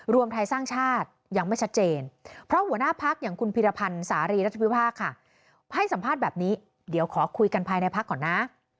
รวมไทยสร้างชาติยังไม่ชัดเจนเพราะหัวหน้าพักอย่างคุณพิรพันธ์สารีรัฐพิพากษ์ค่ะให้สัมภาษณ์แบบนี้เดี๋ยวขอคุยกันภายในพักก่อนนะ